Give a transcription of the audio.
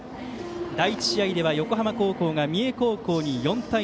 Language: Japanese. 第１試合では、横浜高校が三重高校に４対２。